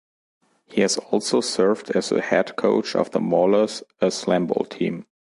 He has also served as the head coach of the Maulers, a Slamball team.